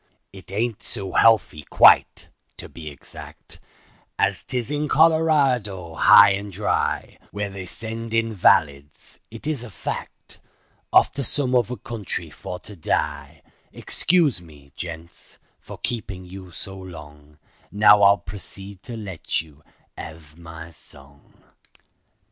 It ain't so healthy quite—to be exact— As 'tis in Colorado high and dry, Where they send invalids—it is a fact— Off to some other country for to die; Excuse me, gents, for keepin' you so long, Now I'll proceed to let you hev my song."